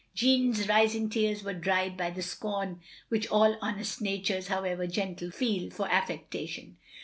Jeanne's rising tears were dried by the scorn which all honest natures, however gentle, feel for affectation.